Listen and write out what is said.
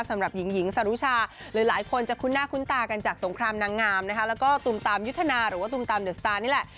สำหรับหญิงหญิงสรุชาหลายคนจะคุ้นหน้าคุ้นตากันจากสงครามนางงามนะคะแล้วก็ตุมตามยุทธนาหรือว่าตุมตามเดอะสตาร์นี่แหละ